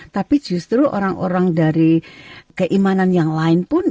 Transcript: tapi justru orang orang dari keimanan yang lain pun